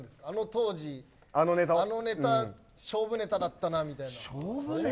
あの当時、あのネタ勝負ネタだったなみたいな。